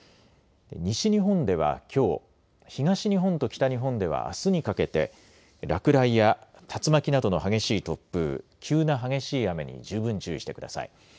西日本ではきょう、東日本と北日本ではあすにかけて落雷や竜巻などの激しい突風、急な激しい雨に十分注意してください。